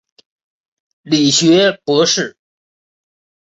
理学博士。